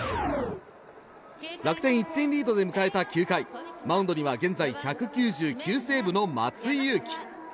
楽天１点リードで迎えた９回マウンドには現在１９９セーブの松井裕樹。